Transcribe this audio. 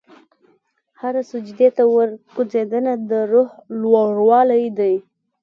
هره سجدې ته ورکوځېدنه، د روح لوړوالی دی.